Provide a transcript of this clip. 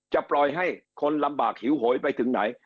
จะปล่อยให้คนลำบากหิวโหยไปถึงไหน